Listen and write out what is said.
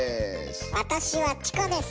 「私はチコです。